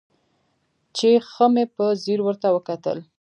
چې ښه مې په ځير ورته وکتل.